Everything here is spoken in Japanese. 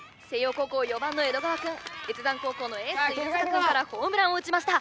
高校４番の江戸川くん越山高校のエース犬塚くんからホームランを打ちました